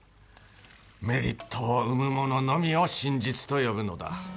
メリットを生むもののみを真実と呼ぶのだ。